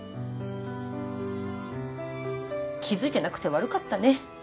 気付いてなくて悪かったね。